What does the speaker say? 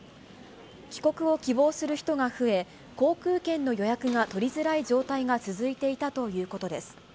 帰国を希望する人が増え、航空券の予約が取りづらい状態が続いていたということです。